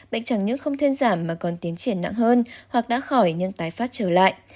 bệnh chẳng nhất không thuyên giảm mà còn tiến triển nặng hơn hoặc đã khỏi nhưng tái phát trở lại